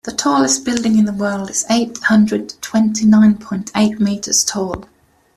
The tallest building in the world is eight hundred twenty nine point eight meters tall.